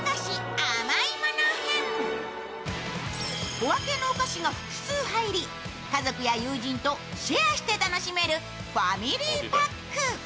小分けのお菓子が複数入り、家族や友人とシェアして楽しめるファミリーパック。